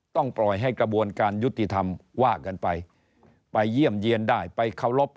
ปล่อยให้กระบวนการยุติธรรมว่ากันไปไปเยี่ยมเยี่ยนได้ไปเคารพ